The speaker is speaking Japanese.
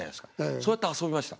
そうやって遊びました。